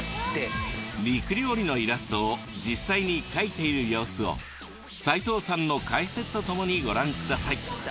肉料理のイラストを実際に描いている様子を斉藤さんの解説とともにご覧ください。